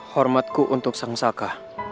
hormatku untuk sang saka